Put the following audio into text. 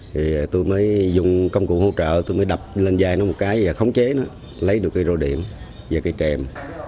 thì tôi mới dùng công cụ hỗ trợ tôi mới đập lên dài nó một cái và khống chế nó lấy được cái rô điện và cái kèm